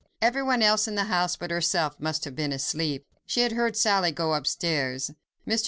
Everyone else in the house but herself must have been asleep. She had heard Sally go upstairs. Mr.